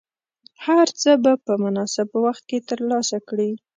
هر څه به په مناسب وخت کې ترلاسه کړې.